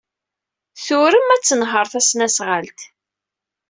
Turem ad tenheṛ tasnasɣalt.